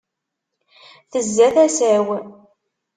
Tezza tasa-w.